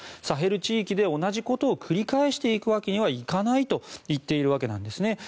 サヘル地域で同じことを繰り返していくわけにはいかないと言っているわけなんですね。